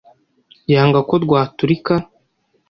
Yanga ko rwaturika.